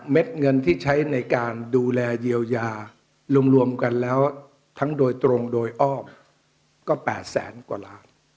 เงินที่ใช้ในการดูแลเยียวยารวมกันแล้วทั้งโดยตรงโดยอ้อมก็๘แสนกว่าล้าน